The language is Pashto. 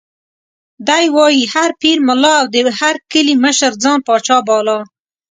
دی وایي: هر پیر، ملا او د هر کلي مشر ځان پاچا باله.